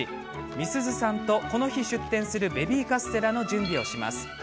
美鈴さんと、この日出店するベビーカステラの準備をします。